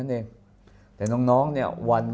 อเรนนี่แหละอเรนนี่แหละ